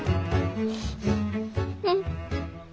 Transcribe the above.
うん。